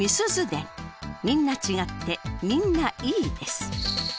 伝みんなちがって、みんないい」です。